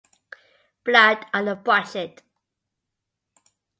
Blood on a Budget.